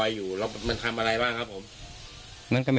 ลอยอยู่แล้วมันทำอะไรบ้างครับผม